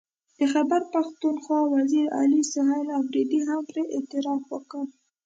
د خیبر پښتونخوا وزیر اعلی سهیل اپريدي هم پرې اعتراف وکړ